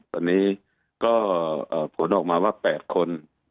ตอนนี้ก็ผลออกมาว่า๘คน